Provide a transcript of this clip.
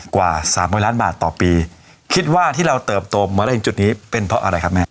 กว่าสามร้อยล้านบาทต่อปีคิดว่าที่เราเติบโตมาได้ถึงจุดนี้เป็นเพราะอะไรครับแม่